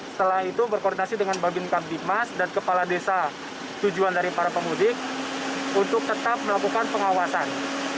setelah itu berkoordinasi dengan babin kamtipmas dan kepala desa tujuan dari para pemudik untuk tetap melakukan pengawasan